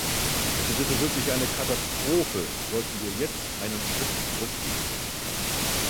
Es wäre wirklich eine Katastrophe, sollten wir jetzt einen Schritt zurückgehen.